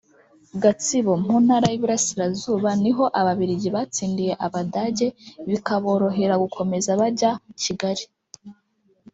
Gatsibo (mu Ntara y’Iburasirazuba) ni ho Ababiligi batsindiye Abadage bikaborohera gukomeza bajya Kigali